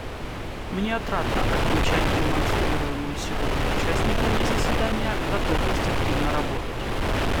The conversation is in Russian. Мне отрадно отмечать демонстрируемую сегодня участниками заседания готовность активно работать.